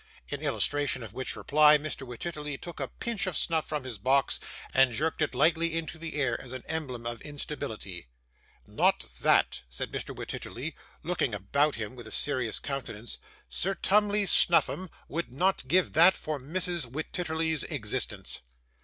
In illustration of which remark, Mr Wititterly took a pinch of snuff from his box, and jerked it lightly into the air as an emblem of instability. 'Not THAT,' said Mr. Wititterly, looking about him with a serious countenance. 'Sir Tumley Snuffim would not give that for Mrs Wititterly's existence.